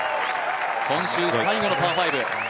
今週最後のパー５。